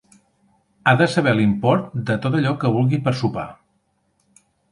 Ha de saber l'import de tot allò que vulgui per sopar.